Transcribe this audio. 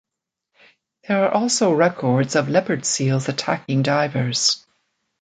There are also records of leopard seals attacking divers.